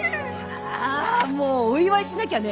ああもうお祝いしなきゃね。